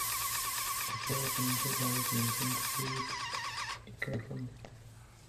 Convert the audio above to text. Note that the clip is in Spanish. Hay poblaciones aisladas en el centro de Utah y California.